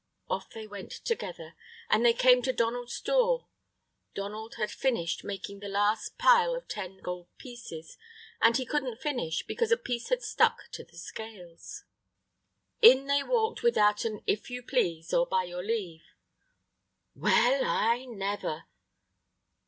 Off they went together, and they came to Donald's door. Donald had finished making the last pile of ten gold pieces. And he couldn't finish, because a piece had stuck to the scales. In they walked without an "If you please" or "By your leave." "Well, I never!"